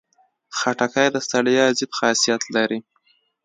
خټکی د ستړیا ضد خاصیت لري.